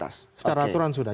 secara aturan sudah